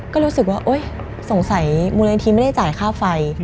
ก็รู้สึกว่าโอ๊ยสงสัยมูลนิธิไม่ได้จ่ายค่าไฟ